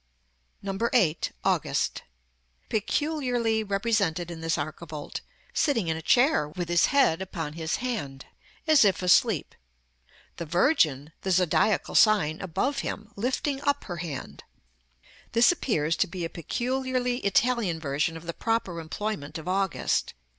8. AUGUST. Peculiarly represented in this archivolt, sitting in a chair, with his head upon his hand, as if asleep; the Virgin (the zodiacal sign) above him, lifting up her hand. This appears to be a peculiarly Italian version of the proper employment of August.